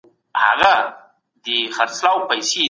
لويه جرګه به د هېواد د ارضي تماميت دفاع کوي.